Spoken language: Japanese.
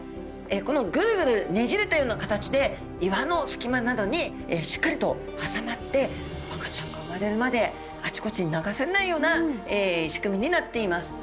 このぐるぐるねじれたような形で岩の隙間などにしっかりと挟まって赤ちゃんが生まれるまであちこちに流されないような仕組みになっています。